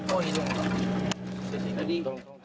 oh ini dong